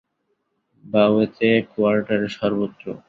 বায়উতে, কোয়ার্টারে, সর্বত্র।